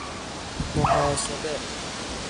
محاسبه